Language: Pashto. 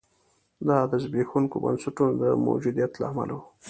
دا د زبېښونکو بنسټونو د موجودیت له امله و.